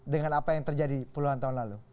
dengan apa yang terjadi puluhan tahun lalu